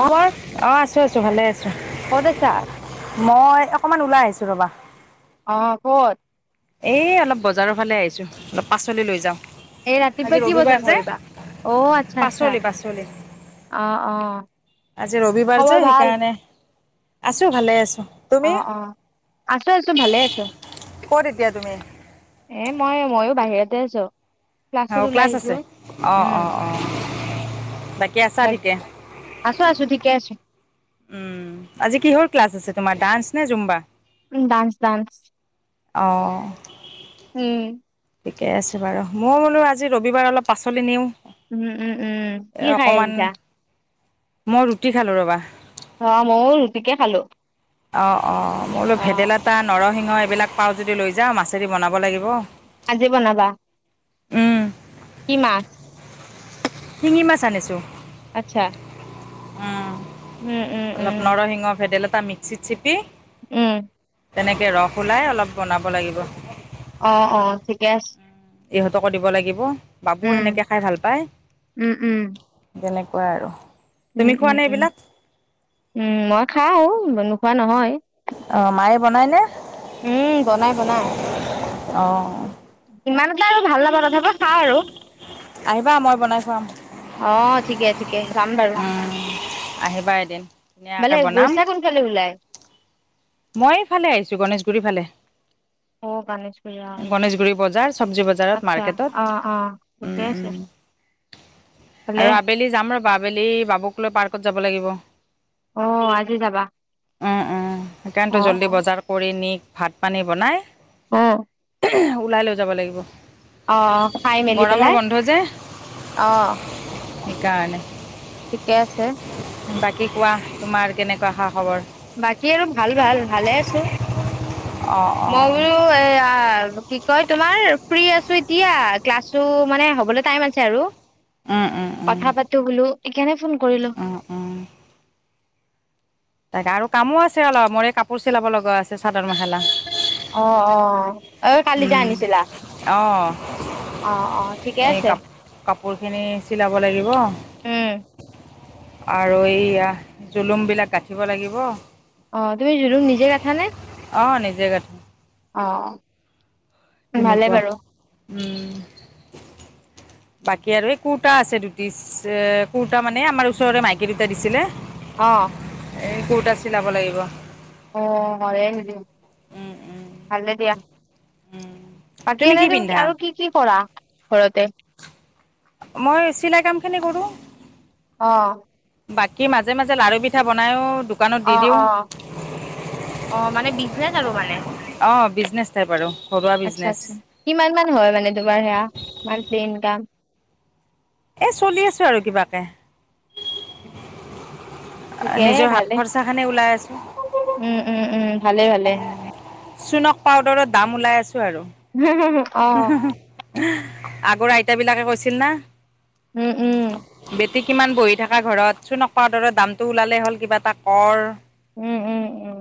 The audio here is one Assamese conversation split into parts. অ মৰ অঁ আছোঁ আছোঁ ভালে আছোঁ, মই অকণমান ওলাই আহিছোঁ ৰ'বা। অ ক'ত? এই অলপ বজাৰৰ ফালে আহিছো, অলপ পাচলি লৈ যাওঁ। এই ৰাতিপুৱা আজি কি বজাৰ ৰবিবাৰ যে, কৰিবা অ আচ্ছা আচ্ছা পাচলি - পাচলি। অ অ আজি ৰবিবাৰ খবৰ যে ভাল সেইকাৰণে, আছো ভালে আছো। অ অ, আছো আছো ভালে আছো। ক'ত তেতিয়া তুমি? এ মই ময়ো বাহিৰতে আছো, ক্লাছত অঁ ওলাই ক্লাছ আহিছো আছে উম। কেঁচা বাক ঠিকে। আছো আছো ঠিকে আছে। উম, আজি কিহৰ ক্লাছ আছে তোমাৰ ডান্স নে জুম্বা? উম ডান্স ডান্স। অঁ। উম। ঠিকে আছে বাৰু মই বোলো আজি ৰবিবাৰ অলপ পাচলি নিওঁ। উম উম উম এ কি খাই অকমান আহিছা। মই ৰুটি খালোঁ ৰ'বা। অ ম‌য়ো ৰুটিকে খালো। অঁ অঁ, মই বোলো অ ভেদাইলতা, নৰসিংহ এইবিলাক পাওঁ যদি লৈ যাওঁ, মাছেদি বনাব লাগিব। আজি বনাবা? উম, কি মাছ। শিঙি মাছ আনিছোঁ। আচ্ছা। উম। উম উম উম, নৰসিংহ ভেদাইলতা মিক্সিত চেপি। উম তেনেকে ৰস ওলাই অলপ বনাব লাগিব। অ অ ঠিকে আছে। ইহঁতকো দিব লাগিব বাবু উম সেনেকে খাই ভাল পায়। উম উম বেলেগ কোৱা আৰু উম তুমি উম খোৱানে উম এইবিলাক উম মই খাও নোখোৱা নহয়। অ মায়ে বনাই নে। উম বনাই বনাই। অ, ইমান এটা আৰু ভাল নাপাওঁ তথাপি খাওঁ আৰু আহিবা মই বনাই খোৱাম। অ ঠিকে ঠিকে, যাম বাৰু উম, আহিবা এদিন ধুনীয়াকৈ মানে বনাম গৈছা কোনফালে ওলাই, মই এইফালে আহিছো গণেশগুৰি ফালে। অ', গণেশগুৰি অ', গণেশগুৰি বজাৰ চবজি বজাৰত আচ্ছা মাৰ্কেটত, অ উম ঠিকে আছে। উম ভালে। আৰু আবেলি যাম ৰ'বা আবেলি বাবুক লৈ পাৰ্কত যাব লাগিব। উম উম অ', আজি যাবা সেইকাৰণেতো অ', জলি অ', উম, বজাৰ। কৰি নি ভাত পানী বনাই। অ, ওলাই লৈ যাব লাগিব। অ অ খাই মেলি গৰমৰ পেলাই অ, সেই কাৰণে। ঠিকে আছে। বাকী কোৱা তোমাৰ কেনেকুৱা হা, বাকী আৰু ভাল ভাল ভালে আছো অঁ অঁ মই বোলো এয়া, অ কি কয় তোমাৰ ফ্ৰী আছো এতিয়া ক্লাছো মানে হ'বলে টাইম আছে আৰু [inaudible] উম উম উম, কথা পাতো বোলো এইকাৰণে ফোন কৰিলো। অ অ, তাকে আৰু কামো আছে অলপ মোৰে কাপোৰ চিলাব লগা আছে চাদৰ মেখেলা। অ অ, কালি যে উম আনিছিলা অ, অ অ ঠিকে এই আছে কাপ কাপোৰখিনি চিলাব লাগিব। উম আৰু এইয়া জুলুম বিলাক গাঁঠিব লাগিব। অ তুমি জোলোৰম নিজে গাঠানে। অ নিজে গাঠো। অ। ভালে তেনেকুৱা বাৰু উম বাকী আৰু এই কুৰ্তা আছে দুটিচ এ কুৰ্তা মানে আমাৰ ওচৰৰে মাইকী দুটা দিছিলে। অ, এই কোৰ্তা চিলাব লাগিব। অ হয় নি [unintelligible] উম ভালে দিয়া। উম বাকী কি এনে তুমি পিন্ধা আৰু কি কি কৰা ঘৰতে? মই চিলাই কামখিনি কৰোঁ। অ। বাকী মাজে - মাজে লাৰু পিঠা বনাইও দোকানত অ দি দিওঁ। অ অ মানে বিজনেচ আৰু মানে অহ, বিজনেছ টাইপ আৰু ঘৰুৱা আচ্ছা বিজনেচ। আচ্ছা কিমান মান হয় মানে তোমাৰ সেয়া মান্থলী ইনকাম? এ চলি আছো আৰু কিবাকে। ঠিকে নিজৰ হাত ভালে খৰচা খিনি ওলাই আছো উম উম উম ভালে ভালে। চুনক পাউদাৰৰ দাম ওলাই আছো আৰু। হুম হ হ। [unintelligible] আগৰ আইতাবিলাকে কৈছিল না। উম উম বেটি কিমান বহি থাকা ঘৰত চোনক পাউদাৰৰ ধৰ দামটো ওলালে হ'ল কিবা এটা কৰ। উম উম উম।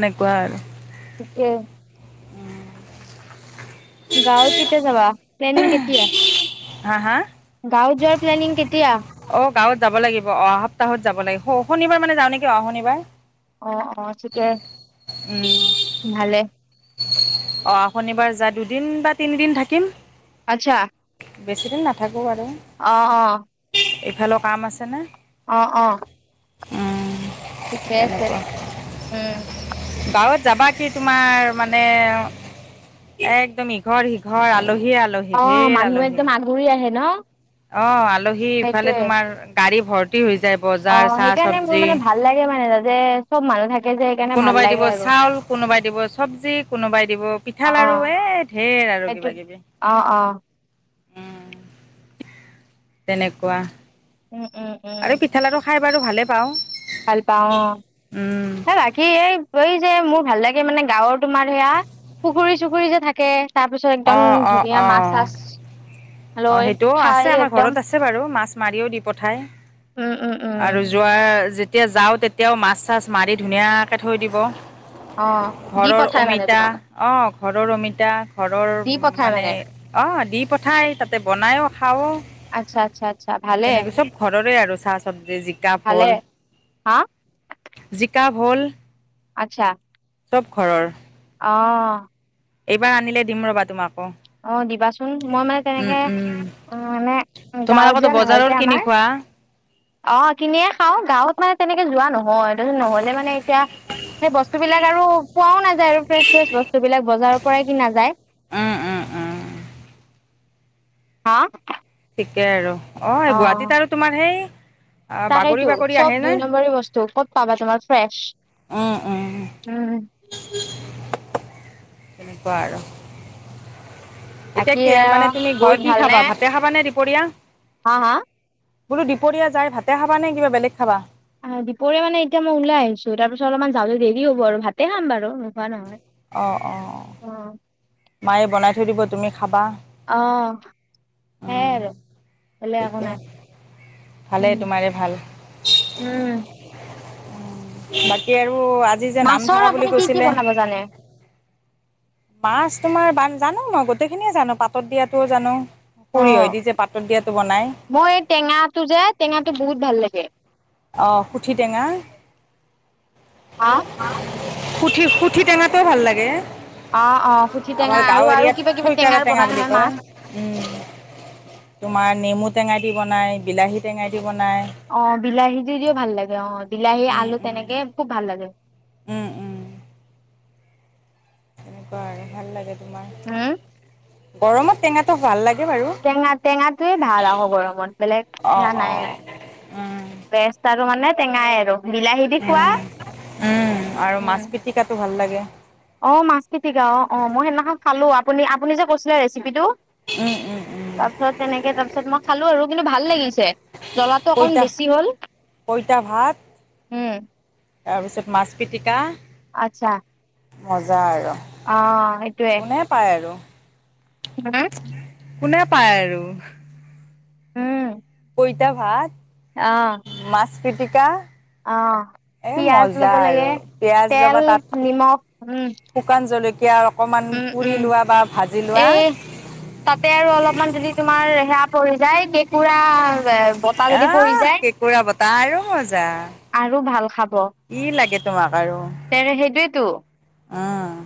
তেনেকুৱা আৰু। ঠিকে গাৱত কেতিয়া যাবা প্লেনিং কেতিয়া? হা হা? গাৱত যোৱাৰ প্লানিং কেতিয়া? অ, গাৱত যাব লাগিব অহা সপ্তাহত যাব লাগিব শনিবাৰ মানে যাও নেকি অহা শনিবাৰ। অ অ ঠিকে উম ভালে। অহা শনিবাৰ যা দুদিন বা তিনিদিন থাকিম। আচ্ছা। বেছিদিন নাথাকো আৰু। অ অ এইফালৰ কাম আছে না। অ অ উম, ঠিকে আছে তেনেকুৱা। উম, গাঁৱত যাবা কি তোমাৰ মানে একদম ইঘৰ সিঘৰ আলহীয়ে আলহী। অ ঢেৰ মানুহ আলহী একদম আগুৰি আহে ন। অ, আলহী ইফালে সেইটোয়ে তোমাৰ গাড়ী ভৰ্তি হৈ যায় অ', বজাৰ চাহ সেইকাৰণে মোৰ চবজি। মানে ভাল লাগে মানে তাতে চব মানুহ থাক- কোনোবাই দিব চাউল কোনোবাই দিব চবজি কোনোবাই দিব অ', পিঠা লাৰু এ ঢেৰ আৰু সেইটো কিবা কিবি। অ অ উম তেনেকুৱা উম উম। উম, আৰু পিঠা লাড়ু খাই বাৰু ভালেই পাওঁ। ভাল পাওঁ অ, উম হ ৰাইক সি এই এই যে মোৰ ভাল লাগে মানে গাঁৱৰ তোমাৰ সেয়া পুখুৰী চুখুৰী যে থাকে। তাৰ পিছত অ একদম অ ধুনীয়া অ মাছ চাছ লৈ খাই একদম ছে বাৰু মাছ মাৰিও দি পঠায়। উম উম উম। আৰু যোৱা যেতিয়া যাও তেতিয়াও মাছ চাছ মাৰি ধুনীয়াকে থৈ দিব। অ'। দি ঘৰৰ পঠাই মানে অমিতা, তোমালোক অ ঘৰৰ অমিতা ঘৰৰ দি পঠাই মানে অঁ দি পঠাই তাতে বনায়ো খাওঁ। আচ্ছা আচ্ছা আচ্ছা ভাল। তেনেকৈ চব ঘৰৰে আৰু চাহ চবজি জিকা ভালে ফল হা? জিকা, ভো'ল। আচ্ছা। চব ঘৰৰ। অঁ। এইবাৰ আনিলে দিম ৰবা তোমাকো। অ দিবাচোন, মই মানে উম, তেনেকে উম, উ মানে গাঁৱত তোমালোকতো যোৱা নহয় বজাৰৰ যে কিনি আমাৰ। খোৱা। অ কিনিয়ে খাও, গাঁৱত মানে তেনেকে যোৱা নহয়, তছত নহলে মানে এতিয়া সেই বস্তু বিলাক। আৰু পোৱাও নাযায় আৰু ফ্ৰেছ ফ্ৰেছ বস্তু বিলাক বজাৰৰ পৰাই কিনাা যায়। উম, উম, উম। হা। ঠিকে আৰু অ অ', গুৱাহাটীত আৰু তোমাৰ সেই আহ, বাগৰি তাকেইতো বাগৰি চব আহে নে? দুই নম্বৰী বস্তু, ক'ত পাবা তোমাৰ ফ্ৰেছ উম, উম, উম। তেনেকুৱা আৰু এতিয়া বাকী কি আ মানে তুমি ঘৰত গৈ কি ভালনে খাবা ভাত দেখাবানে দুপৰীয়া? হা হা। বোলো দুপৰীয়া যায় ভাতে খাবা নে কিবা বেলেগ খাবা? অ দীপৰিয় মানে এতিয়া মই ওলাই আহিছো, তাৰ পিছত অলপমান যাওঁলে দেৰি হ'ব আৰু ভাতে খাম বাৰু নোখোৱা নহয়। অঁ অঁ। অ', মায়ে বনাই থৈ দিব তুমি খাবা। অ সেই আৰু। বেলেগ একো নাই থিকেই, ভালেই উম, তোমাৰে ভাল। উম। বাকী আৰু আজি যে নাম মাছৰ থাকা বুলি আপুনি কি কি কৈছিলে? বনাব জানে মাছ তোমাৰ জানো ম গোটেইখিনিয়ে জানো, পাতত দিয়াটোও জানো। সৰিয়হ অ', দি যে পাতত দিয়াাতটো বনাই? মই এই টেঙাটো যে টেঙাটো বহুত ভাল লাগে। অঁ সুঠি টেঙা। হা সুঠি, সুঠি টঙাটোওৱে ভাল লাগে। অ', অ', পুঠি টেঙা আমাৰ আৰু আৰু কিবা গাঁৱএৰিয়াত কিবি থইকাৰা টেঙাৰ টেঙা বনাই বুলি নহয় কয়। মাছ। উম, তোমাৰ নেমু টেঙাই দি বনায়, বিলাহী টেঙাই দি বনায়, অ বিলাহী দি য়ম্পদিও ভাল লাগে অ বিলাহী উম আলু উম তেনেকে খুব ভাল লাগে। উম উম। তেনেকুৱা আৰু ভাল লাগে উম। তোমাৰ গৰমত টেঙাটো ভাল লাগে বাৰু টেঙা টেঙাটোৱে ভাল আকৌ গৰমত, বেলেগ টেঙা অ' নাই অ' আৰু। উম বেষ্ট আৰু মানে টেঙাই আৰু বিলাহী দি খোৱা উম উম। শিকাতো ভাল লাগে। অ মাছ পিতিকা অ, অ মই সেইদিনাখন খালো, আপুনি আপুনি যে কৈছিলে ৰেচিপিটো উম উম তাৰপিছত তেনেকে তাৰপিছত মই খালো আৰু কিন্তু ভাল লাগিছে। জ্বলাটো অকণ পইতা বেছি হ'ল পইতা ভাত উম। তাৰপিছত মাছ পিটিকা, আতচছা। মজা আৰু। অ সেইটোৱে। হে পায় আৰু। মানে? কোনে পায় আৰু। উম। কোইতা ভাত অ। মাছ পিটিকা, এ পিয়াজ মজা ল'ব লাগে আৰু পিয়য়াজ তেল ল'বা তাত নিমখ উম শুকান জলকীয়া অকণমান উম উম পুৰি লোৱা বা ভাজি লোৱা। এই তাতে আৰু অলপমান যদি তোমাৰ ৰে সে পৰি যায় কেঁকুৰা বতাহ যদি পৰি আহ, যায় কেঁকুৰা বতাহ আৰু মজা। আৰু ভাল খাব। কি লাগে তোমাক তেৰে সেইটোয়েতো। অঁ।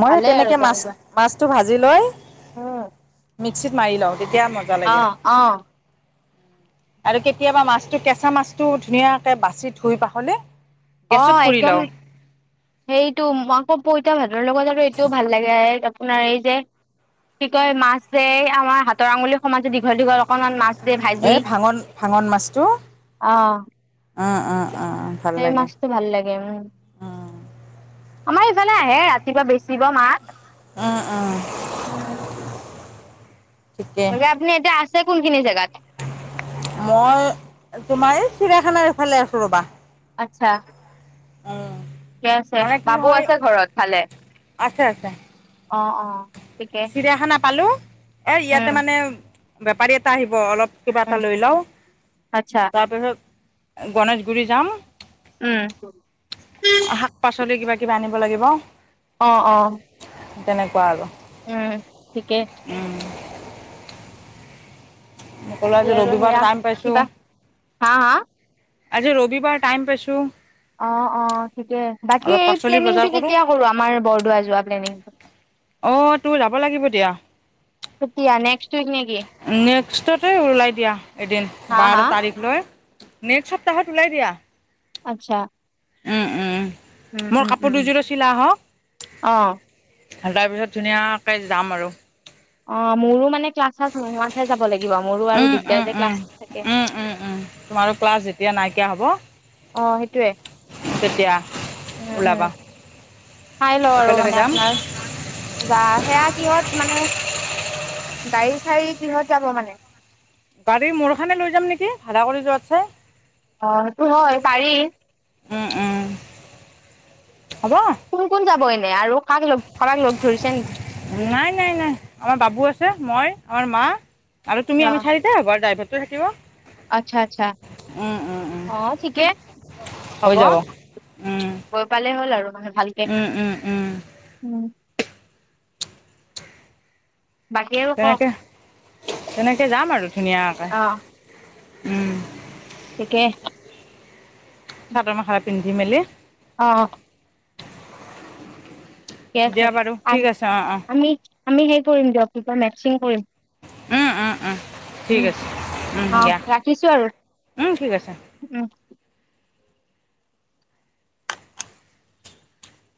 মই সেই ভালেই আৰু তেনেকৈ মাছ তেনেকুৱা মাছটো ভাজি লৈ, উম। মিক্সিত মাৰি লওঁ, তেতিয়া মজা অ লাগে। অ আৰু কেতিয়াবা মাছটো, কেঁচা মাছটো ধুনীয়াকে বাছি ধুই পাখলি অ একদম সেইটো, আকৌ পইতা ভাতৰ লগত আৰু এইটোও ভাল লাগে। আপোনাৰ এই যে কি কয়, মাছ যে আমাৰ হাতৰ আঙুলি সমান যে দীঘল দীঘল অকমান মাছ যে ভাই এই ভাঙন ভাঙন মাছটো। অ' অঁ অঁ, অ অ। সেই মাছটো ভাল লাগে, উম। আমাৰ এইফালে আহে ৰাতিপুৱা বেচিব মাছ। উম উম। ঠিকেই বাকী আপুনি এতিয়া আছে কোনখিনি জেগাত? মই, তোমাৰ এই চিৰায়াখানাৰ এইফালে আছোঁ ৰ'বা। আচ্ছা। অঁ। ঠিকে আছে। বাবু আছে ঘৰত ভালে? আছে আছে অ অ, থিকে। চিৰিয়াখানা পালোঁ। এ ইয়াতে মানে বেপাৰী এটা আহিব অলপ কিবা এটা উম, লৈ লওঁ, আচ্ছা তাৰপিছত গণেশগুৰি যাম। উম। শাক পাচলি কিবা কিবা আনিব লাগিব। অ অ। তেনেকুৱা আৰু। উম, ঠিকেই। উম। মই কলো আজি আৰু ৰবিবাৰ, সেয়া টাইম পাইছোঁ। কিবা হা হা আজি ৰবিবাৰ, টাইম পাইছোঁ। অ অ, ঠিকে। বাকী অলপ এই পাচলি বজাৰ প্লেনিংটো কৰোঁ কেতিয়া কৰো আমাৰ বৰদোৱা যোৱা প্লেনিং টো। অ তোৰ যাব লাগিব দিয়া। কেতিয়া নেক্সট উইক নেকি নে ক্সতটে ওলাই দিয়া এদিন হা বাৰ হা তাৰিখ লৈ, নেক্সট সপ্তাহত ওলাই দিয়া। আচ্ছা। উম উম। উম মোৰ উম কাপোৰ উম দুযোৰো চিলাই আহক। অ তাৰ পিছত ধুনীয়াকে যাম আৰু। অ, মোৰো মানে ক্লাছ-ছাল্লাছ নোহোৱাতহে যাব লাগিব। মোৰো আৰু উম দিগদাৰ উম যে, ক্লাছ উম থাকে। উম উম উম তোমাৰো ক্লাছ যেতিয়া নাইকিয়া হ'ব, অ সেইটোয়ে। তেতিয়া। উম উম। ওলাবা চাই লওঁ আৰু, একেলগে মানে যাম আপোনাৰ বা সেয়া কিহত মানে গাড়ী চাৰী কিহত যাব মানে গাড়ী মোৰখনে লৈ যাম নেকি ভাড়া কৰি যোৱাতছে অ সেইটো হয় পাৰি উম উম, হ'ব? কোন কোন যাব এনে, আৰু কাক লগ, কাবাক লগ ধৰিছে নেকি? নাই নাই নাই, আমাৰ বাবু আছে, মই, আমাৰ মা আৰু তুমি অ আমি চাৰি তে হ'ব আৰু ড্ৰাইভাৰতোহে থাকিব আচ্ছা আচ্ছা উম, উম, উম। অ ঠিকে হ'ব হৈ যাব উম গৈ পালে হ'ল আৰু মানে ভালকে উম উম উম উম বাকী আৰু কওক? তেনেকে তেনেকে যাম আৰু ধুনীয়াকে অ', উম ঠিকে চাদৰ মেখেলা পিন্ধি মেলি অ অ ঠিকে আছে দিয়া বাৰু অ ঠিক আছে অঁ আমি আমি সেই কৰিম দিয়ক কিবা মেক্সিং কৰিম অঁ ঠিক উম আছে উম, অহ দিয়া ৰাখিছো আৰু উম, ঠিক আছে উম